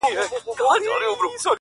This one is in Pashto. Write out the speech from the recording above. • چي دې اولس وه تل نازولي -